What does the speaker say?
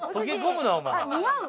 似合う！